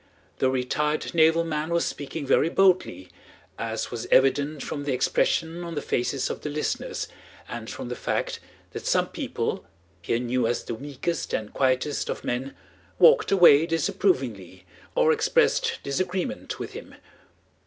The retired naval man was speaking very boldly, as was evident from the expression on the faces of the listeners and from the fact that some people Pierre knew as the meekest and quietest of men walked away disapprovingly or expressed disagreement with him.